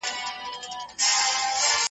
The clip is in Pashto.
هر ګړی بدلوي غېږ د لونډه ګانو .